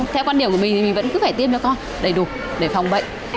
theo quan điểm của mình thì mình vẫn cứ phải tiêm cho con đầy đủ để phòng bệnh